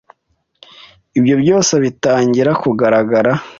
ibyo byose bitangira kugaragara,